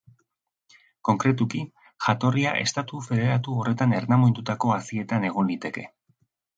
Konkretuki, jatorria estatu federatu horretan ernamuindutako hazietan egon liteke.